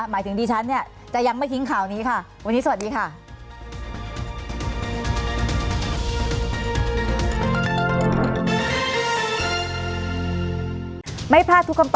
หมายถึงดิฉันเนี่ยจะยังไม่ทิ้งข่าวนี้ค่ะ